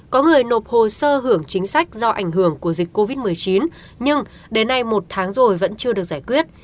có người nộp hồ sơ hưởng chính sách do ảnh hưởng của dịch covid một mươi chín nhưng đến nay một tháng rồi vẫn chưa được giải quyết